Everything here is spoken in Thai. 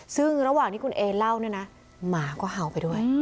ซึ่งระหว่างที่คุณเอเล่าเนี่ยนะหมาก็เห่าไปด้วย